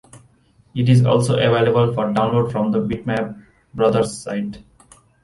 It is also available for download from the Bitmap Brothers site.